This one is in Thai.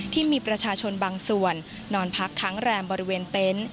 ที่มีประชาชนบางส่วนนอนพักค้างแรมบริเวณเต็นต์